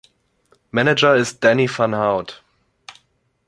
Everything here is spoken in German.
Manager ist Danny Van Haute.